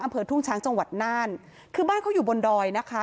อำเภอทุ่งช้างจังหวัดน่านคือบ้านเขาอยู่บนดอยนะคะ